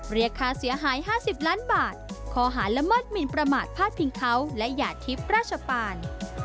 เรียกค่าเสียหาย๕๐ล้านบาทคอหารละเมิดหมินประมาทพาดพิงเขาและหยาดทิพย์ราชปาล